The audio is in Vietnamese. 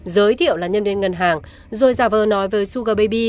giới thiệu là nhân viên ngân hàng rồi giả vờ nói với sugar baby